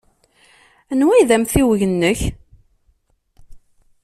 Anwa ay d amtiweg-nnek?